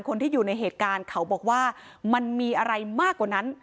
คนที่อยู่ในเหตุการณ์เขาบอกว่ามันมีอะไรมากกว่านั้น